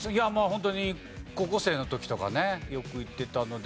ホントに高校生の時とかねよく行ってたので。